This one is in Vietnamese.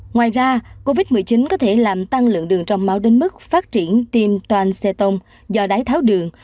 ngoài ra covid một mươi chín có thể làm tăng lượng đường trong máu đến mức phát triển tiềm toanseton do đái tháo đường